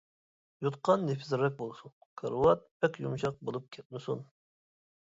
يوتقان نېپىزرەك بولسۇن، كارىۋات بەك يۇمشاق بولۇپ كەتمىسۇن.